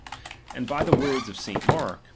And by the words of St. Mark(i.